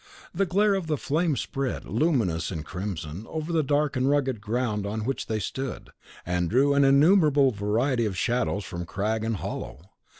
The glare of the flame spread, luminous and crimson, over the dark and rugged ground on which they stood, and drew an innumerable variety of shadows from crag and hollow.